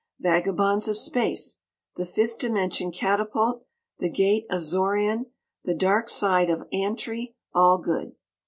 "Vagabonds of Space," "The Fifth Dimension Catapult," "The Gate of Xoran," "The Dark Side of Antri" all good.